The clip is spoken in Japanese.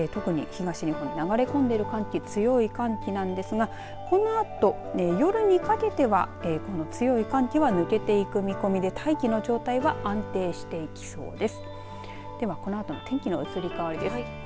特に東日本に流れ込んでいる寒気強い寒気なんですが、このあと夜にかけては強い寒気は抜けていく見込みで大気の状態は安定していきそうです。